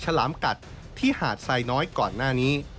ฉลามกัดที่หาดไซน้อยก่อนหน้านี้